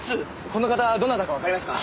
この方どなたかわかりますか？